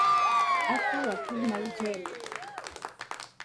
Ataua kɨmaɨ llerɨde